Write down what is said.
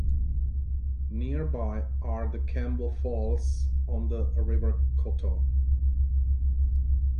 Nearby are the Kembe Falls on the River Kotto.